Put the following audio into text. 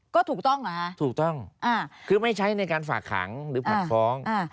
ก็ถูกต้องเหรอคะถูกต้องคือไม่ใช้ในการฝากขังหรือผลัดฟ้อง